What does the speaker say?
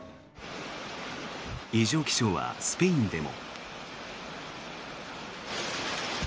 異常気象はスペインでも。